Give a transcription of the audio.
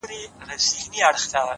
o د زړه بوټى مي دی شناخته د قبرونو،